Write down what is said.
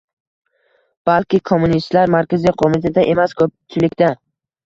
Balki kommunistlar Markaziy qo'mitada emas, ko'pchilikda